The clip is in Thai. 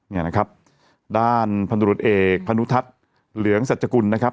เนี่ยนะครับด้านพันธุรกิจเอกพนุทัศน์เหลืองสัจกุลนะครับ